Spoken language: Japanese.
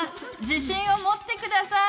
自信を持って下さい！